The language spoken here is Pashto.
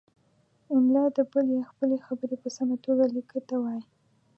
املاء د بل یا خپلې خبرې په سمه توګه لیکلو ته وايي.